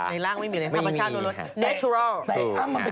พี่ไม่มีอะไรใบในร่างไม่มีอะไรธรรมชาติโนโลแนตุรอล